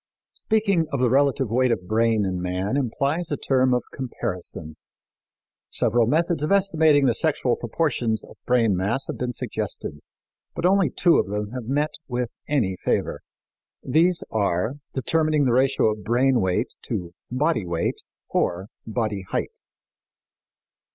Speaking of the relative weight of brain in man implies a term of comparison. Several methods of estimating the sexual proportions of brain mass have been suggested, but only two of them have met with any favor. These are determining the ratio of brain weight to body weight or body height.